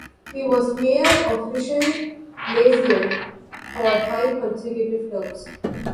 He was mayor of Rishon Lezion for five consecutive terms.